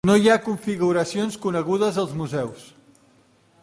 No hi ha configuracions conegudes als museus.